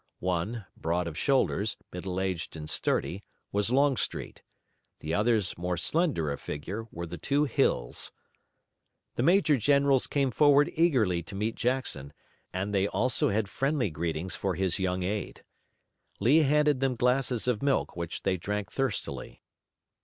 One, broad of shoulders, middle aged and sturdy, was Longstreet. The others more slender of figure were the two Hills. The major generals came forward eagerly to meet Jackson, and they also had friendly greetings for his young aide. Lee handed them glasses of milk which they drank thirstily.